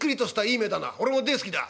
俺も大好きだ。